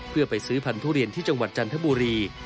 เพื่อไปซื้อพันธุเรียนที่จังหวัดจันทบุรี